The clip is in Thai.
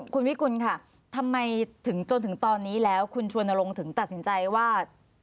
คุณวิกุลค่ะทำไมถึงจนถึงตอนนี้แล้วคุณชวนรงค์ถึงตัดสินใจว่า